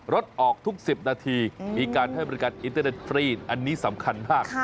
รถออกทุก๑๐นาทีมีการให้บริการอินเตอร์เน็ตฟรีนอันนี้สำคัญมาก